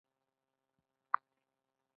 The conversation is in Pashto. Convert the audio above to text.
ورپسې لږ و ډېرې ځوانې نڅاوې شوې.